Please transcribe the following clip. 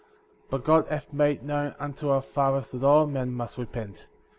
But God hath made known unto our fathers that all men must repent.